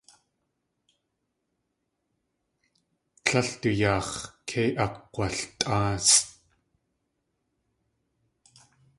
Tlél du yaax̲ kei akakg̲waltʼáasʼ.